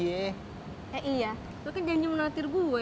eh iya lo kan janji menaktir gue